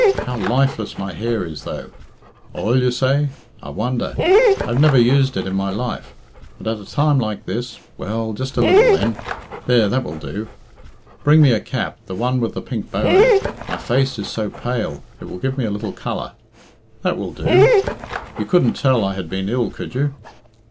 How lifeless my hair is, though. Oil, you say? I wonder! I've never used it in my life: but at a time like this well, just a little, then there, that will do. Bring me a cap the one with the pink bow in it. My face is so pale it will give me a little colour. That will do. You couldn't tell I had been ill, could you?